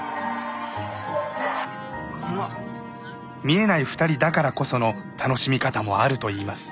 見えない２人だからこその楽しみ方もあるといいます。